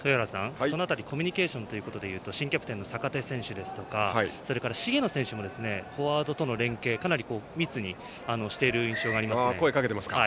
その辺りコミュニケーションでいうと新キャプテンの坂手選手とかそれから茂野選手もフォワードとの連係を密にしている印象がありますね。